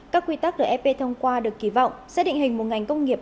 các quy tắc được ep thông qua được kỳ vọng sẽ định hình một ngành công nghiệp